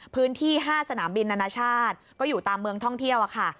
๕สนามบินนานาชาติก็อยู่ตามเมืองท่องเที่ยวค่ะ